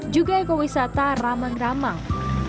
juga ekowisata ramang ramang